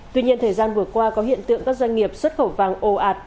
tuy nhiên thời gian vừa qua có hiện tượng các doanh nghiệp xuất khẩu vàng ồ ạt